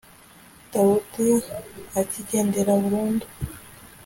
dawudi akigendera burundu